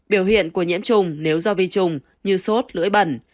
biểu hiện của nhiễm trùng nếu do vi trùng như sốt lưỡi bẩn